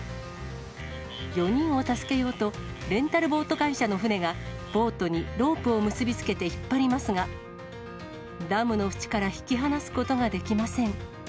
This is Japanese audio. ４人を助けようと、レンタルボート会社の船が、ボートにロープを結び付けて引っ張りますが、ダムの縁から引き離すことができません。